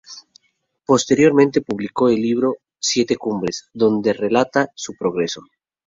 Posteriormente, publicó el libro "Siete Cumbres", donde relata su progreso.